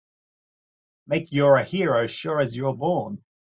Make you're a hero sure as you're born!